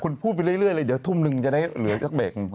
คุณพูดไปเรื่อยเลยเดี๋ยวทุ่มนึงจะได้เหลือสักเบรก